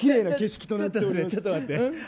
ちょっと待って。